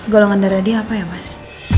golongan darah dia apa ya mas